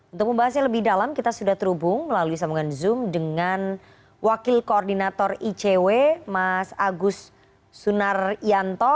untuk membahasnya lebih dalam kita sudah terhubung melalui sambungan zoom dengan wakil koordinator icw mas agus sunaryanto